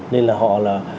nên là họ là